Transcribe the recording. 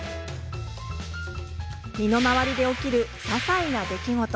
身の回りで起きるささいな出来事。